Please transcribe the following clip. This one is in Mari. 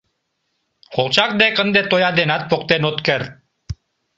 Колчак дек ынде тоя денат поктен от керт: